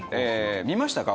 見ましたか？